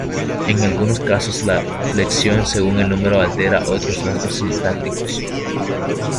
En algunos casos, la flexión según el número altera otros rasgos sintácticos.